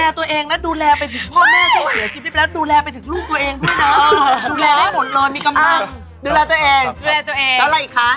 อันนี้คือเราไปในที่ที่เขาทำเป็นอยู่แล้ว